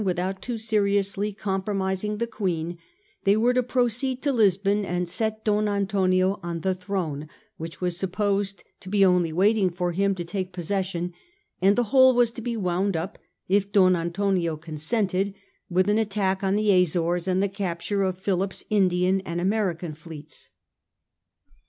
without too seriously compromising the Queen, they were to proceed to Lisbon and set Don Antonio on the throne which was supposed to be only waiting for him to take possession, and the whole was to be wound up, if Don Antonio consented, with an attack on the Azores and the capture of Philip's Indian and American fleets.